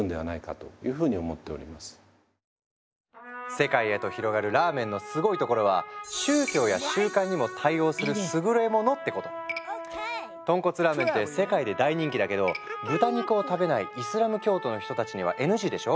世界へと広がるラーメンのすごいところは豚骨ラーメンって世界で大人気だけど豚肉を食べないイスラム教徒の人たちにはＮＧでしょ？